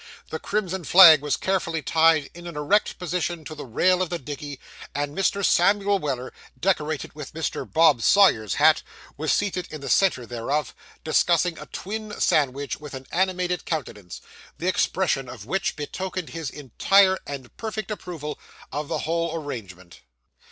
The crimson flag was carefully tied in an erect position to the rail of the dickey; and Mr. Samuel Weller, decorated with Bob Sawyer's hat, was seated in the centre thereof, discussing a twin sandwich, with an animated countenance, the expression of which betokened his entire and perfect approval of the whole arrangement.